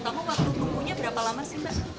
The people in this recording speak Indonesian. kalau pertama waktu tunggu nya berapa lama sih mbak